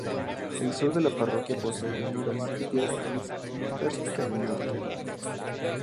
El sur de la parroquia posee llanuras, y piedra caliza cárstica del norte.